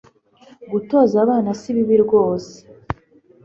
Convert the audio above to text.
gutoza abana si bibi rwose